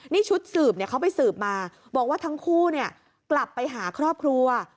นี่ชุดสืบเขาไปสืบมาบอกว่าทั้งคู่กลับไปหาครอบครัว